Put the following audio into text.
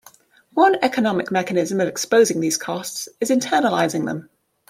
One economic mechanism of exposing these costs is internalizing them.